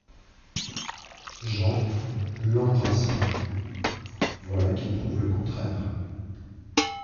Jean, l’embrassant. — Voilà qui prouve le contraire !